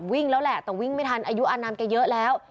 วิ่งแล้วแหละแต่วิ่งไม่ทันอายุอนามแกเยอะแล้ว